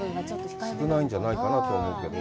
少ないんじゃないかなと思うけど。